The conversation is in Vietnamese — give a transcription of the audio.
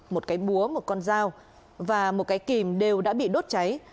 một cái búa một con dao và một cái kìm đều đã bị đốt cháy